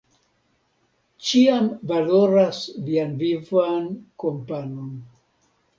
Ĉiam valoras vian vivan kompanon.